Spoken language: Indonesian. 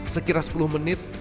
sekira sepuluh menit